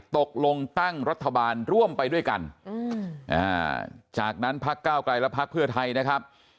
ตกลงตั้งรัฐบาลร่วมไปด้วยกันจากนั้นพักเก้าไกลและพักเพื่อไทยนะครับ